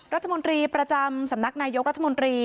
รัฐมนตรีประจำสำนักนายกรัฐมนตรี